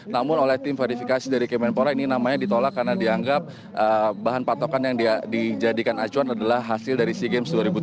namun oleh tim verifikasi dari kemenpora ini namanya ditolak karena dianggap bahan patokan yang dijadikan acuan adalah hasil dari sea games dua ribu tujuh belas